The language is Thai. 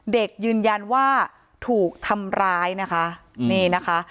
เด็กยืนยันว่าถูกทำร้ายนะคะนี่นะคะ